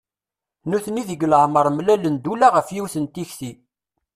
Nutni deg leɛmer mlalen-d ula ɣef yiwet n tikti.